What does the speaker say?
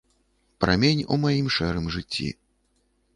Прамень у маім шэрым жыцці.